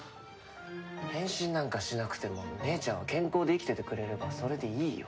変身なんかしなくても姉ちゃんは健康で生きててくれればそれでいいよ。